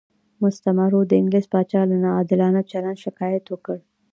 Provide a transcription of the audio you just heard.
مستعمرو د انګلیس پاچا له ناعادلانه چلند شکایت وکړ.